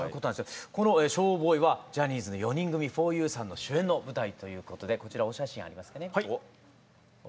この「ＳＨＯＷＢＯＹ」はジャニーズの４人組ふぉゆさんの主演の舞台ということでこちらお写真ありますね。